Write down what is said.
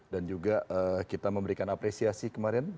dan juga kita memberikan apresiasi kemarin